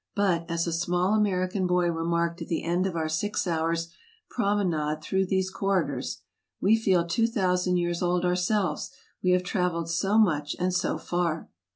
But, as a small American boy remarked at the end of our six hours' promenade through these corridors, " We feel two thousand years old ourselves, we have traveled so much and so far."